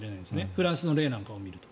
フランスの例なんかを見ると。